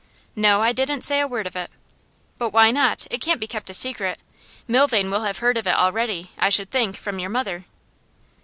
'No; I didn't say a word of it.' 'But why not? It can't be kept a secret. Milvain will have heard of it already, I should think, from your mother.